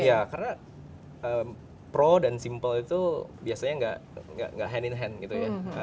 iya karena pro dan simple itu biasanya nggak hand in hand gitu ya